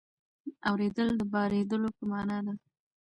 اورېدل د بارېدلو په مانا ده.